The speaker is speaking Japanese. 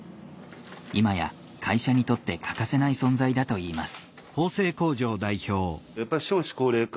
今や会社にとって欠かせない存在だといいます。